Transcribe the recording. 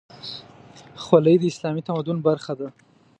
خولۍ د اسلامي تمدن برخه ده.